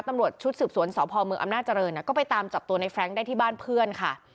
ตำรวจชุดสืบสวนสพเมืองอำนาจริงก็ไปตามจับตัวในแฟรงค์ได้ที่บ้านเพื่อนค่ะ